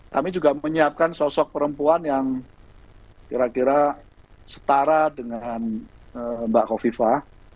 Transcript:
kami juga menyiapkan sosok perempuan yang kira kira setara dengan mbak kofifa